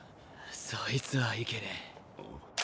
そいつはいけねぇ。